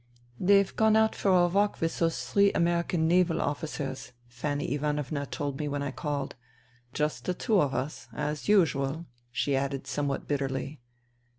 " They've gone out for a walk with those three American naval officers," Fanny Ivanovna told me when I called. " Just the two of us, as usual," she added somewhat bitterly.